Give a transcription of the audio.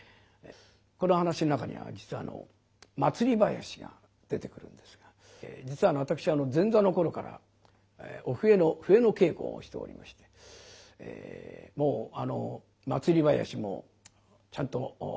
この噺の中には実は祭り囃子が出てくるんですが実は私前座の頃からお笛の笛の稽古をしておりましてもう祭り囃子もちゃんと稽古をいたしました。